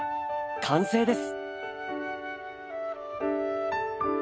完成です！